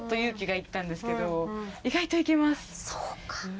そうか。